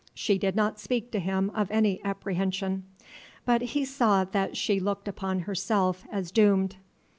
She did not speak to him of any apprehension; but he saw that she looked upon herself as doomed.